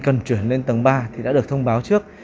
cần chuyển lên tầng ba thì đã được thông báo trước